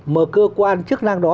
mà cơ quan chức năng đó